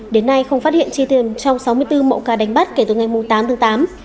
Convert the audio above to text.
đến nay không phát hiện chi tiêu trong sáu mươi bốn mẫu cá đánh bắt kể từ ngày hôm nay